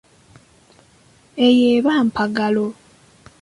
Eyo eba mpagalo.